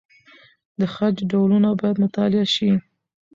د خج ډولونه باید مطالعه سي.